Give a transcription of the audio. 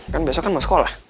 kan besok kan mau sekolah